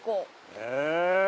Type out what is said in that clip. へえ！